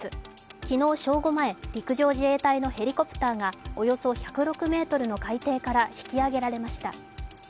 昨日正午前、陸上自衛隊のヘリコプターがおよそ１０６ｍの海底から引き揚げられました。